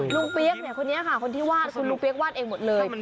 ลูกเปี๊ยกเนี่ยคนนี้ค่ะคุณลูกเปี๊ยกวาดเองหมดเลย